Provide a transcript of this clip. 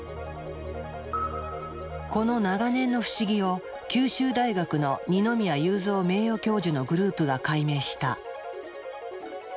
この長年の不思議を九州大学の二ノ宮裕三名誉教授のグループが解明した。